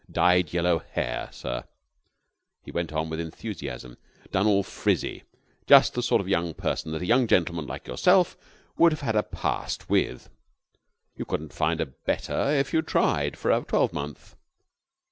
Dyed yellow hair, sir," he went on with enthusiasm, "done all frizzy. Just the sort of young person that a young gentleman like yourself would have had a 'past' with. You couldn't find a better if you tried for a twelvemonth."